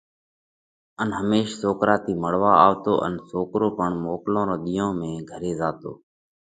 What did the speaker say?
ان هميش سوڪرا ٿِي مۯوا آوتو ان سوڪرو پڻ موڪل رون ۮِيئون ۾ گھري زاتو۔